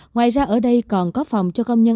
ngoài ra ở đây còn có phòng cho công nhân